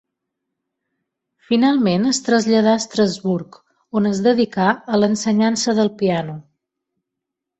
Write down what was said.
Finalment, es traslladà, a Estrasburg, on es dedicà a l'ensenyança del piano.